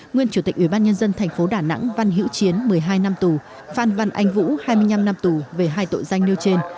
nguyên chủ tịch ubnd tp đà nẵng văn hữu chiến một mươi hai năm tù phan văn anh vũ hai mươi năm năm tù về hai tội danh nêu trên